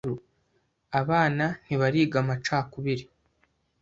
Abana ntibariga amacakubiri.